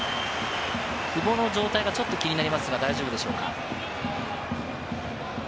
久保の状態がちょっと気になりますが大丈夫でしょうか？